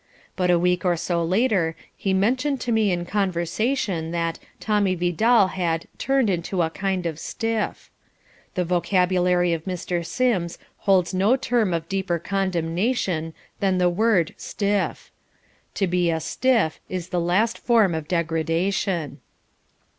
But a week or so later he mentioned to me in conversation that Tommy Vidal had "turned into a kind of stiff." The vocabulary of Mr. Sims holds no term of deeper condemnation than the word "stiff." To be a "stiff" is the last form of degradation.